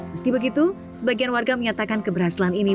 meski begitu sebagian warga menyatakan keberhasilan ini